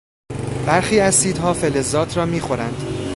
برخی اسیدها فلزات را میخورند.